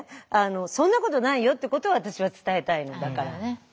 「そんなことないよ」っていうことを私は伝えたいのだから。